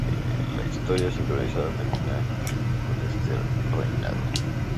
La "Historia sincrónica" termina con este reinado.